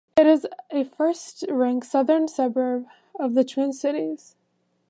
It is a first ring southern suburb of the Twin Cities.